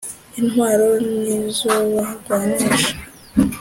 intwaro nizobarwanisha.